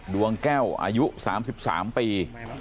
ดวงแก้วอายุ๓๓ปี